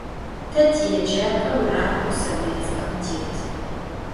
Тэ тиеджапӏэ урамэу Советскэм тет.